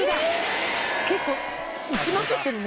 結構撃ちまくってるね。